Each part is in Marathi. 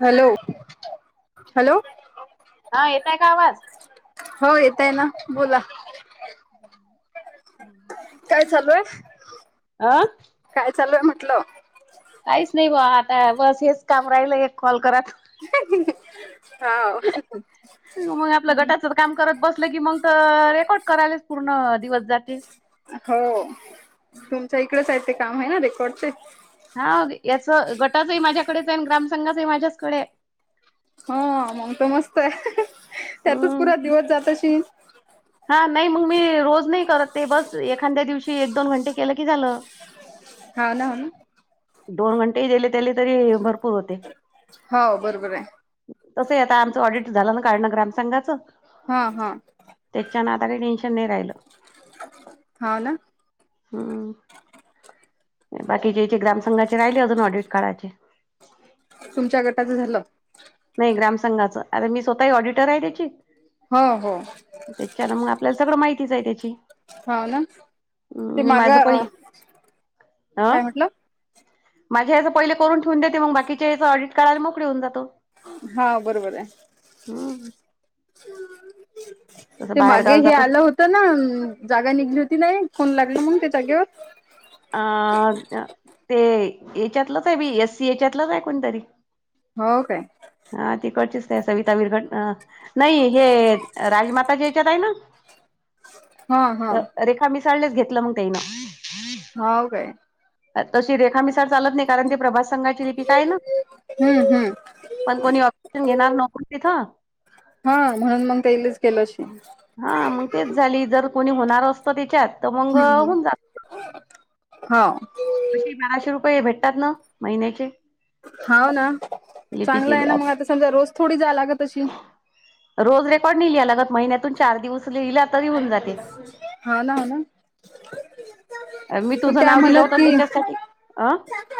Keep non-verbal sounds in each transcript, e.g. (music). हॅलो हॅलो हा येतय का आवाज? हो येतय ना बोला बम् काय चालूय आं काय चालूय म्हंटलं काहीच नाही बा आता बस हेच काम राहिल एक कॉल करात. हा. मग आपल्या गटाचं काम करत बसलं की मग तर रेकॉर्ड करायलाच पूर्ण दिवस जाते. हो तुमच्या इकडेच आहे ते काम आहे ना रेकॉर्डचे. हा याच गटाचही माझ्याकडेच आहे ग्रामसंघचही माझ्याचकडे आहे. हा मंग तर मस्त आहे त्यातच हम्म. पुरा दिवस जात अशील. हा नाही मग मी रोज नाही करत ते बस एखाद्या दिवशी एक दोन घंटे केलं की झालं. हा ना. दोन घंटे गेले त्याले तरी भरपूर होते. हो बरोबर आहे तसं आता आमचं ऑडिट झालं ना काणं ग्रामसंघाचं. हा हा. त्याच्यान आता काही टेन्शन नाही राहिलं. हो ना. बाकी ज्याचे ग्रामसंघाचे राहिले अजून ऑडिट कार्डाचे. तुमच्या गटाचं झालं. नाही ग्रामसंघाच आता मी स्वतःही ऑडिटर आहे त्याची. हो हो. त्याच्यान मग आपल्याला सगळं माहितीच आहे त्याची. हो ना ते हम् मी माग माझं अ पहि हं. काय म्हटलं माझ्या याचं पहिले करून ठेव देते मग बाकीच्या याच ऑडि कराला मोकळे होऊ जातो. हा बरोबर आहे. हम्म तसं ते बाहेर मागे गावला हे जातस आलं होत. तर ना जागा निघली होती नाही फोन लागली म्हग ते जागेवर. अ ते याच्यातलंच आहे बी एस सी याच्यातलंच आहे कोणतरी. हो काय. हा तिकडचीच नाही सविता विरघटना. नाही हे राजमाता याच्यात आहे ना. हा हा. रेखा मिसाळलेच घेतलं मंग तईन. हाव काय तशी रेखा मिसार चालत नाही कारण ती प्रभास संघाची लिपी काय ना. हम्म हम्म. पण कोणी ऑप्शन घेणार नोकरी तिथं. हा म्हणून मग ते इलच केलंशी. हा मग तेच झाली जर कोणी होणार असतं त्याच्यात तर मग होऊन जात. हो. कशी बाराशे रुपये भेटतात ना महिन्याचे. हो ना लिपी चांगला आहे ना केल्या मग आता समजा रोज थोडी जाला ग तशी. रोज रेकॉर्ड निहा लगत महिन्यातून चार दिवस लिहिला तरी होऊन जाते. हा ना हो ना. मी पण तुझं त्या नाव दिलं म्हणत होतं की त्याच्यासाठी अ.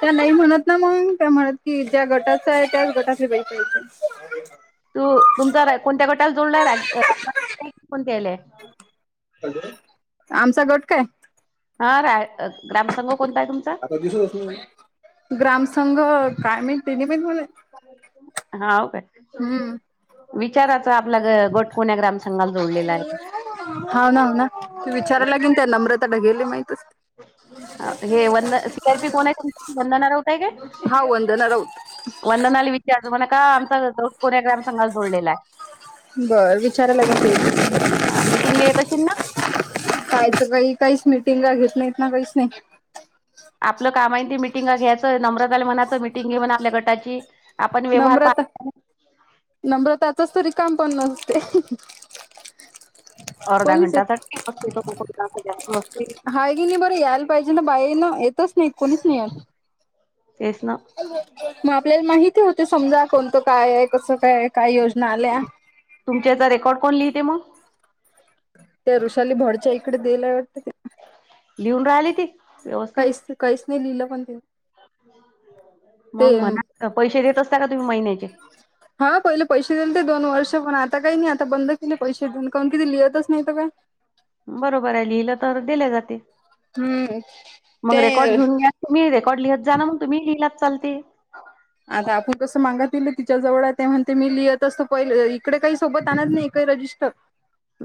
त्या नाही म्हणत ना मग का म्हणत कि ज्या गटाच आहे त्याच गटातले बैसायचे. तू तुमचा कोणत्या गटाला जोडलाय कोणत्यालाय. आमचा गट काय. हा रा ग्रामसंघ कोणता आहे तुमचा. ग्राम संंघ काय म्ह तिने पण म्ह. हा का हम्म विचाराच आपल्या गोटकुन्या ग्रामचा. हो नाम ना विचारायलागेन त्या नम्रता ढगेली माहितच. अ गे वन सयार पी कोन हाय तुमचा. बंधन होतय काग. हा वंदना राऊत वंदनाली विचारच म्हणा का आमचा कोन्या ग्राम संघात जोडलेला आहे. (unintelligible) हा मीटिंगला येत अशील ना? काय सकाळी काहीच मिटिंगा घेत नाहीत ना काहीच नाही. आपलं काम आहे ते मिटिंगा घ्यायचं नम्रताला म्हणायचा मिटिंग घे म्हण आपल्या गटाची. आपण व्यवहार पा नम्रता नम्रताचा तरी काम पण नसते. कोणीच येत (unintelligible) हिनी बरं यायला पाहिजे ना बाईंना येतच नाही कोणीच नाही तेच ना मग आपल्याला माहिती होते समजा कोणतं काय आहे कसं काय आहे काय योजना आल्या. तुमच्याचा इथे रेकॉर्ड कोण लिहते मग? त्या ऋषाली भडच्या इकडे दियले वाटतं ते. लिहून राहिली ती. व्यवस्थित. काहीच काहीच नाही लिहिलं पण ती. मग म्हणा पैशे देत असता का तुम्ही महिन्याचे? हा पहिले पैशे दिलेते दोन वर्ष पण आता काही नाही आता बंद केले पैशे देऊन कारण की ती लिहतच नाही तर काय. बरोबर आहे लिहिलं तर देलं जात ते हम्म मग रेकॉर्ड ते घेऊन घ्या. तुमहीे रेकॉर्ड लिहत जा म्मग तुम्ही ही लहिलात चालते. आता आपण कसं मांगातीले तिच्या जवळ आहे ते म्हणते मी लिहत असतो पहिले इकडे काही सोबत आणत नाही काही रजिस् चं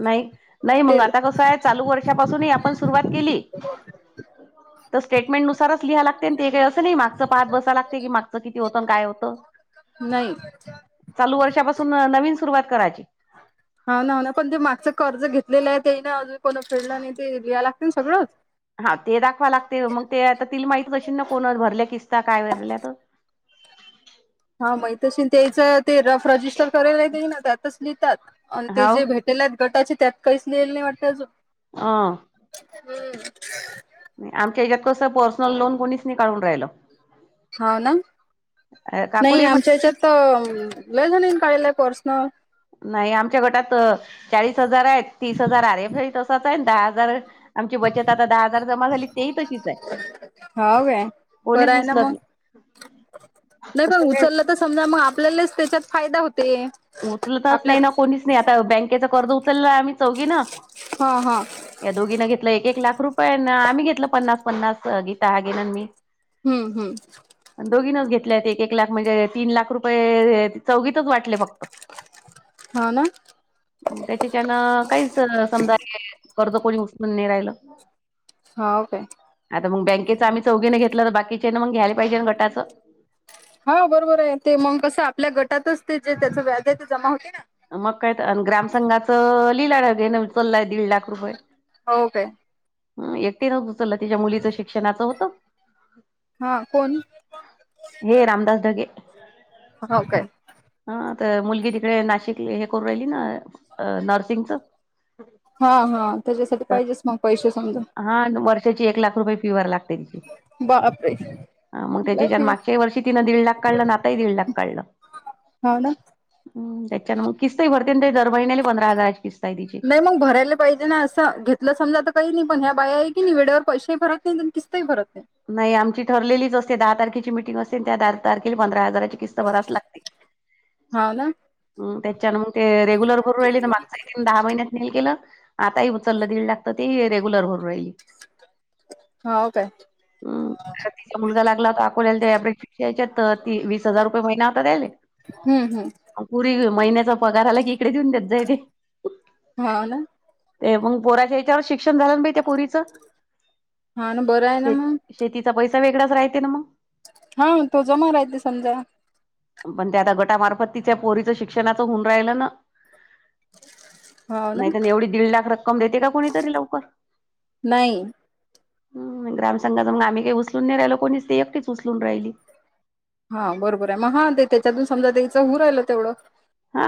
नाही नाही मग आता कसं आहे चालू वर्षापासूनही आपण सुरुवात केली तर स्टेटमेंट नुसारच लिहा लाग तेन ते काय असं नाही मागचं पात बसा लागते की मागचं किती होतं आन काय होतं. नाही चालू वर्षापासून नवीन सुरुवात करायची. हा ना हा ना पण ते मागचं कर्ज घेतलेलं आहे ते ना अजून कोणा फिल्डला नाही ते लिहाय लागतील सगळंच. हा ते दाखवा लागते मग ते आता तिल माहितीच अशीन ना कोणा भरल्या किस्ता काय भरल्या तर. हा माहित असेल त्याचा ते रफ रजिस्टर कराय राहते ना त्यातच लिहितात आणि ते हाव जे भेट त्याल्यात गटाचे त्यात काहीच लिहिलं नाही वाटतं अजून. हां हम्म. आमच्या हच्यात कसं पर्सनल लोन कोणीच नाही काढून राहिलं. हा ना अ नाही काकुले आमच्या म्हण हेच्यात तर लई म्हणून काळेलं आहे पर्सनल नाही आमच्या गटात चाळीस हजार आहेत तीस हजार (unintelligible) आणि आहे दहा हजार आमची बचत आता दहा हजार जमा झाली तेही तशीच आहे. हाव काय बरं कोणीच आहे ना उचलत मग नाही असं नाही त समजा मग आपल्यालाच त्याच्यात फायदा होते. उचलतच आपल्या नाही ना कोणीच नाही आता बँकेचा कर्ज उचलला आम्ही चौघी ना हा हा. या दोघीनं घेतलं एक एक लाख रुपये आम्ही घेतलं पन्नास पन्नास गीता हा गेन मी. हम्म हम्म. दोघीनच घेतल्या आहेत एक एक लाख म्हणजे तीन लाख रुपये चौघीतच वाटले फक्त. हा ना. त्याच्याच्यान काहीच समजा (inaudible) कर्जा कोणी उचलून नाय राहिलं. हाव काय? आता मग बँकेच आम्ही चौघीने घेतलं तर बाकीच्या ना मग घ्यायलाहिजे ना घटाचं. हा बरोबर आहे ते मग कसं आपल्या गटातच ते जे त्याचा व्याज आहे ते जमा होते ना. मग काय तर अन ग्रामसंघाचा लिहलाच हेना उचलय दीड लाख रुपये. हो काय. एकटे नव्हत उचलला तिच्या मुलीचं शिक्षणाचं होतं. हा कोण हे रामदास ढगे हो काय हा तर मुलगी तिकडे नाशिक हे करू राहिली ना नर्सिंगच हा हा त्याच्यासाठी पाहिजेच मग पैसे समजा हा वर्षाची एक लाख रुपये फी वर लागते बापरे ह मग लय त्याच्यान फी मागच्या वर्ी तिं दीड लाख काढलं ना आताही दीड लाख काढलं हो ना हम त्याच्यान मग किस्तही भरते ते दर महिनने पंधरा हजाराची किस्ता आहे तची नाही मग भरायला पाहिजे ना असं घेतलं समजा तर काही नाही पण ह बाया आहे की नाही वेळे्यावर पैशा भरत नाही किसतही भरत नाही नाही आमची ठरलेलीच असते दहा तारखेची मिटिंग असते त्या द तारखेला पंधरा हजाराची बराच लाग हो ना त्याच्या मग ते रेग्युलर भरून रा माग दहा महिन्यात नाय केलं आता ही उचललं दीड लागतं ती रेग्युलर होऊन राहिली. हा हो काय हम तिचा मुलगा लागला होता अकोल्याला त्या्र शिकषच्या तर ती वीस हजार रुपये महिना होता रा्याले हम्म हम्म पुरी महिन्याचा पगार आला की इकडे देऊन द्याेत जाय ते हा ना ते मग पोराच्या याच्यावर शिक्षण झालं बा त्या प पुरीचं हा ना बरं आहे ना मग शेतीचा पैसा वेगळाच राहते ना मग हा तो जमा राहते समजा पण त्या आता गटामार्फत तिच्या पोरीचं शिक्षणाचं होऊन राहिलं ना हो ना नाहीत एवढी दीड लाख रक्कम देते का कोुणीतरी लवकर नाही ग्रामसंघां मग आ्ही उचलून नाही राहिल कोणीच त ते एकटीच उचलून राहिली हा बरोबर आहे मग हा ते त्याच्यातून समजा त्याचं हऊर राहिलं तेवढं हा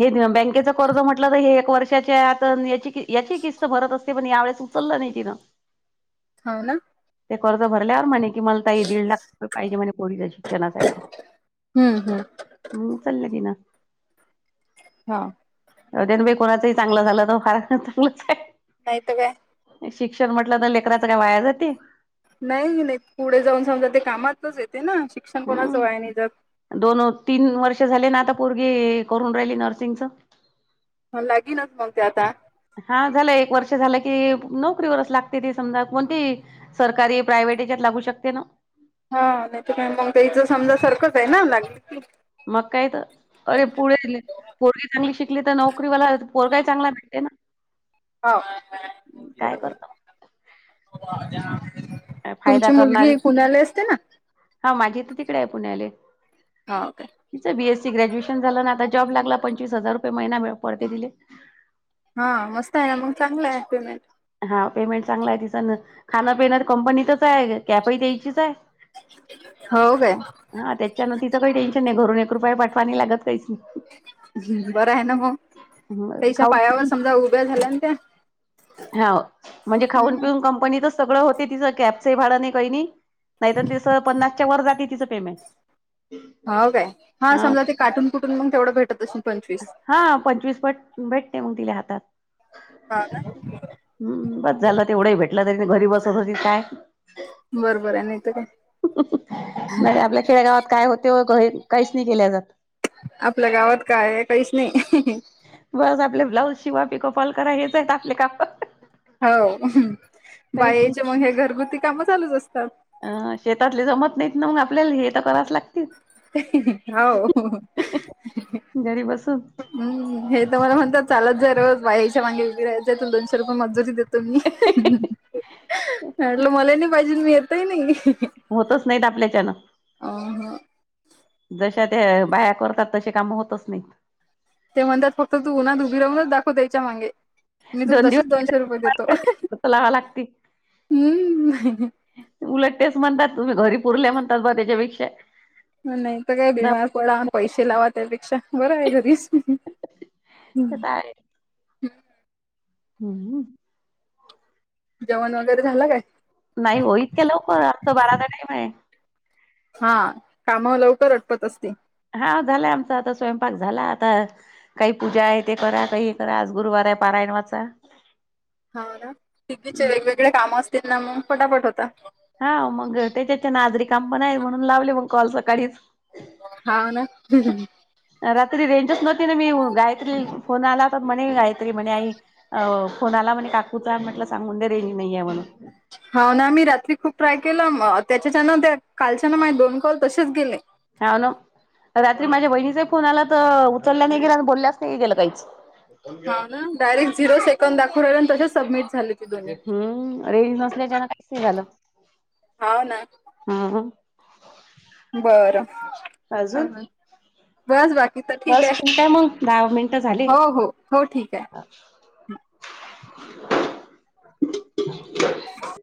हे बँकेच कर्ज म्हटलं तर हे एक वर्षाच्या आता याची याची किस्त भरत असते पण यावेेळेस उचललं नाही तिं होा ना ते कर्ज भरल्यावर म्हणे कि मला त दीड लाख रुपये पाहिजे म्ह पढच्या शिक्षणासाठी हम्म हम्म म चाल्या त ना हा उदयनबाई कोणाचंही चांगलं झालं तर फार चांगलंच आहे नाहीतवे शिक्षण म्हटलं तर लेकराचं काय वाया जाते नाही नाही पुढे जाऊन समजा ते कामातच येते ना शिक्षण कोणाचं हम्म. वय नाही जात दोन तीन वर्ष झाले ना आता पूर्गी करून राहिली नर्सिंगचं मण लागेनच मग ते आता हा झालं एक वर्ष झालं की नोकरीवरच लागते ती समजा कोणती सरकारी प्रायव्हेट याच्यात लागू शकते ना हा नाही तर मग त्या इचं समजा सारखंच आहे ना लागली क मग काही तर अरे पुढे पोरग चांगली शिकली तर नोकरीवाला पोरगाही चांगला भेटते ना काय करतो हो फायदा तुमची करणारी मुलगी पुण्याला असते ना हा माझी तर तिकडे आहे पुण्याले हा ओके तिं बीएसी ग्रॅज्युएशन झा ना आता जॉब लागला पंचवीस हजार रुपय म मि पडते दिले हा मस्त आहे ना मग चांगलं आहेमेंट हा पेमेंट चांगला आहे तिस खाना पिण्या कंपनीतच आहे. क पही त्यायचीच आहे. हो काय हा त्याच्यानं तिचं काही टेन्शन नाही घरून एक रुपया पाठवा लागत काही नाही. बरं आहे ना मग नाही तैच्या खाऊन पायावर पिऊन समजा उभ्या झाल्या ना त्या हा म्हणजे खाऊन हम्म. पिऊन कंपनी तर सगळं होते तिचं कॅपस भाडं नाही काही नाही. नाहीत तिस पन्नासच्या वर जाते तिचं पेमेंट हो काय हा समजा ते काटून कुटून मग तेवढं भेटत असून पंचवीस हा पंचवीस पट भेटते मग तिला हातात हा ना. हम् ब झालं तेवढं भेटला तरी घरी बसत हो काय बरोबर आहे नाही तर काय नाहीरे आपल्या खेळ्या गावात काय होते काहीच नाही केल्या जात आपल्या गावात काय काहीच नाही बस आपले ब्लाऊज शिवा पीिकपाॉल करा हेच आहेत आपले काप हो नाही बायचे मग हे घरगुती काम चालूच असतात अ शेतातले जमत नाहीत ना मग आपल्याला हे तर करायच लागतील हो घरी बसून हम् हे तर मला म्हणतात चालत जाय रोज बाईच्या मागे वगैरेयच तो दोनशे रुपये मजुरी देत तुम्ही म्हटलं मला नाही पाहिजे मी येतय नाही होतच नाहीत आपल्याच्यानं अ जशा त्या बाया्या करतात तसे काम होतच नाहीत ते म्हणतात फक्त तू उन्हात उभी राहूनच दाखव त्याच्या मागे मी तुला दोन तसेच दिवस दोनशे रुपये देतो लावा हम् उलटतेच म्हणतात तुम्ही घरी पुरल्या म्हणतात ब त्याच्यापेक्षा नाही तर काय बीमार पडा पैसे लावा त्यापेक्षा बरं आहे घरीच ते तय हम्म जेण वगैरे झालं काय नाही हो इतके लोक आता बारादा टाम आहे हा काम लवकर अटपत असते हा झालंय आमचा आता स्वयंपाक झाला आता काही पूजा आहे ते करा काही हे करा आज गुरुवार आहे पारायणवाचा हा ना टिगवीचे वेगवेगळे कामं असतील ना मग पटाफट होता हा मग त्याच्याच्या नाजर काम पण आहे म्हणून लावले मग कॉल सकाळीच हा ना रात्री रेंजच नव्हती ना मी गायत्री फोन आलाता म्हणे मी गायत्री म्हणे आई अ कोोणाला म्हणे काकूच म्हटलं सांग म्हण रेंज नाहीे म्हणून हा ना मी रात्री खूप ट्राय केला त्याच्याच्या ना त्या कालच्यान माझ दोन कॉल तसेच गेले हवन रात्री माझ्या बहिणीचाही फोन आला तर उतरल्या नाही गेला आणि बोलल्याच नाही गेलं काहीच हा ना डायरेक्ट झिरो सेकड दाखवहिल तच सबमिट झाले ती दोन्ही हम्म रेंज नसल्याच्याना काय झालं होव ना हा बरं हा वाजून हा बस बाकी तर ठीक आहे मग दहा मिनिटं झाले. हो हो हो ठीक आहे ह